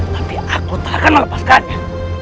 tapi aku tak akan melepaskannya